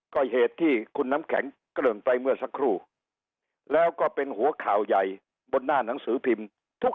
ก็เหตุที่คุณน้ำแข็งเกริ่งไปเมื่อสักครู่แล้วก็เป็นหัวข่าวใหญ่บนหน้าหนังสือพิมพ์ทุก